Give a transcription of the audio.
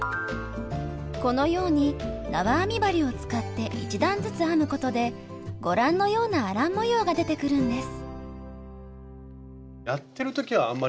このようになわ編み針を使って１段ずつ編むことでご覧のようなアラン模様が出てくるんです。